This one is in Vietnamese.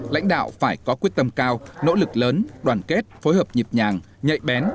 lãnh đạo phải có quyết tâm cao nỗ lực lớn đoàn kết phối hợp nhịp nhàng nhạy bén